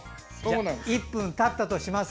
１分たったとします。